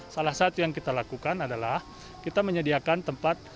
salah satu yang kita lakukan adalah kita menyediakan tempat